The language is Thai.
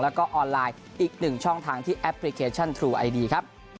แล้วก็ออนไลน์อีกหนึ่งช่องทางที่แอปพลิเคชันทรูไอดีครับ